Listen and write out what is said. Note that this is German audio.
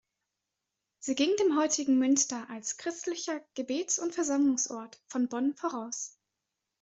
Sie ging dem heutigen Münster als christlicher Gebets- und Versammlungsort von Bonn voraus.